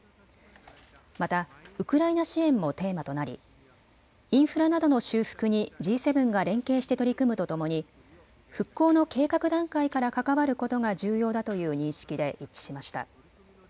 またウクライナ支援もテーマとなりインフラなどの修復にＧ７が連携して取り組むとともに復興の計画段階から関わることが重要だという認識で一致しました。